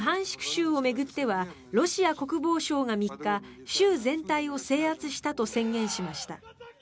州を巡ってはロシア国防省が３日州全体を制圧したと宣言しました。